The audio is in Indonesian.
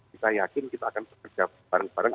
kita yakin kita akan bekerja bareng bareng